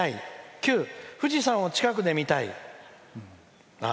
９、富士山を近くで見たい」。